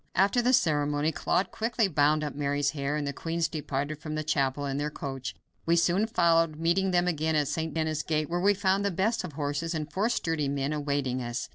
After the ceremony Claude quickly bound up Mary's hair, and the queens departed from the chapel in their coach. We soon followed, meeting them again at St. Denis gate, where we found the best of horses and four sturdy men awaiting us.